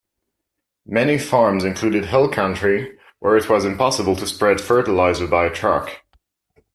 Many farms included hill country, where it was impossible to spread fertiliser by truck.